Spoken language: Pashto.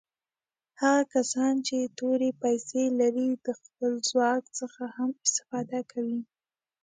هغه کسان چې تورې پیسي لري د خپل ځواک څخه هم استفاده کوي.